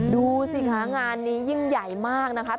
ดูสิคะงานนี้ยิ่งใหญ่มากนะคะ